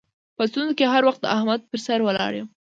په ستونزو کې هر وخت د احمد پر سر ولاړ یم.